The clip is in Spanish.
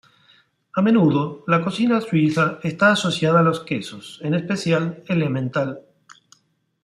A menudo la cocina suiza está asociada a los quesos en especial el Emmental.